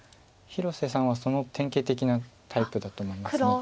広瀬さんはその典型的なタイプだと思います。